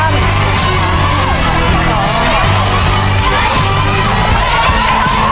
นี่แทบแทบละ